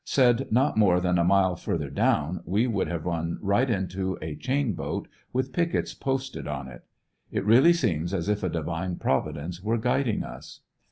Said not more than a mile farther down we would have run right into a chain b at, with pickets posted on it. It really seems as if a Divine providence were guiding us.